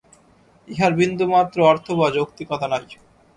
ইহার বিন্দুমাত্র অর্থ বা যৌক্তিকতা নাই।